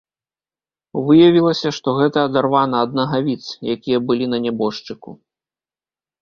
Выявілася, што гэта адарвана ад нагавіц, якія былі на нябожчыку.